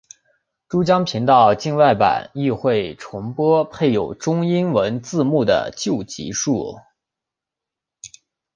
珠江频道境外版亦会重播配有中英文字幕的旧集数。